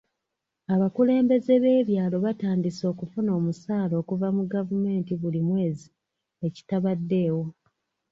Abakulembeze b'ebyalo batandise okufuna omusaala okuva mu gavumenti buli mwezi ekitabaddeewo.